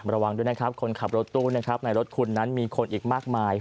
ระวังด้วยนะครับคนขับรถตู้นะครับในรถคุณนั้นมีคนอีกมากมาย